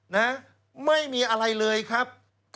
นะไม่มีอะไรเลยครับ